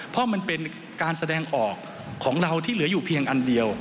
เพราะมันเป็นการแสดงออกของเราที่เหลืออยู่เพียงอันเดียว